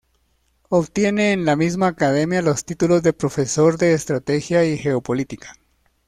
Obtiene en la misma Academia los títulos de Profesor de Estrategia y Geopolítica.